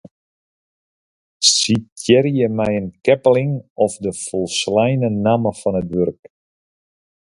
Sitearje mei in keppeling of de folsleine namme fan it wurk.